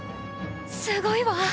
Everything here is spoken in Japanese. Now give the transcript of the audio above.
「すごいわ」。